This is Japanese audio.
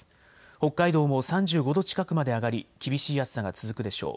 北海道も３５度近くまで上がり厳しい暑さが続くでしょう。